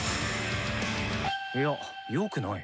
いやよくない。